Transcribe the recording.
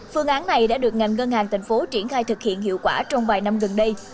phương án này đã được ngành ngân hàng thành phố triển khai thực hiện hiệu quả trong vài năm gần đây